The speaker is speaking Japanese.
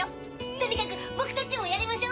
とにかく僕たちもやりましょ！